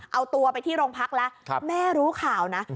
เอาตัวไปที่โรงพักแล้วแม่รู้ข่าวนะ